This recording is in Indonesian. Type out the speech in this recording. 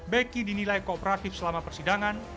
beki dinilai kooperatif selama persidangan